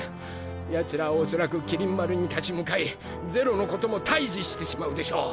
奴らはおそらく麒麟丸に立ち向かい是露のことも退治してしまうでしょう。